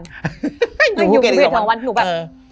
อยู่ภูเก็ตอีก๒วันอยู่ภูเก็ตอีก๒วันหนูแบบ